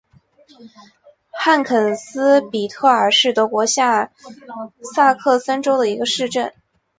汉肯斯比特尔是德国下萨克森州的一个市镇。